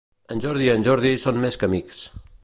En Jordi i en Jordi són més que amics.